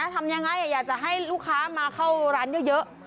ทำยังไงอยากจะให้ลูกค้ามาเข้าร้านเยอะ